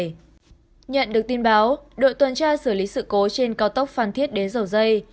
nhận được tin báo đội tuần tra xử lý sự cố trên cao tốc phan thiết đến dầu dây